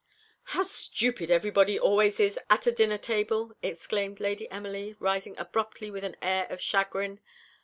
"How stupid everybody always is at a dinner table!" exclaimed Lady Emily, rising abruptly with an air of chagrin.